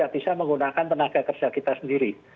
bisa menggunakan tenaga kerja kita sendiri